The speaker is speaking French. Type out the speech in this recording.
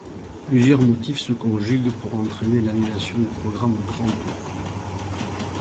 Plusieurs motifs se conjuguent pour entrainer l'annulation du programme Grand Tour.